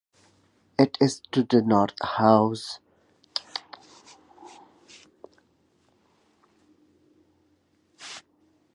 It is to the north of Whitehorse, and east of the Alaskan border.